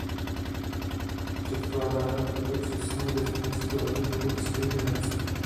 Předkládáme proto přesnou definici tohoto druhu diskriminace.